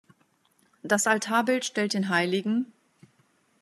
Das Altarbild stellt den "Hl.